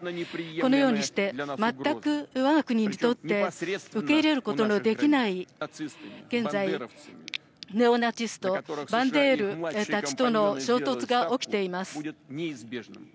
このようにして、全くわが国にとって受け入れることのできない、現在、ネオナチスト、バンデールたちとの衝突が起きています。